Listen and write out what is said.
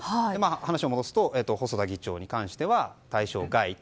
話を戻すと、細田議長に関しては対象外と。